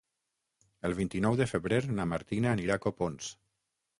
El vint-i-nou de febrer na Martina anirà a Copons.